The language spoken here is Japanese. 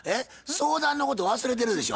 相談のこと忘れてるでしょ？